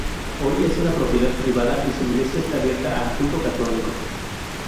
Hoy es una propiedad privada y su iglesia está abierta al culto católico.